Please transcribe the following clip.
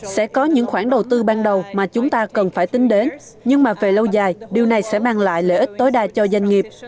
sẽ có những khoản đầu tư ban đầu mà chúng ta cần phải tính đến nhưng mà về lâu dài điều này sẽ mang lại lợi ích tối đa cho doanh nghiệp